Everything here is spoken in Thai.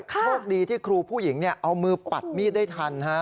โชคดีที่ครูผู้หญิงเอามือปัดมีดได้ทัน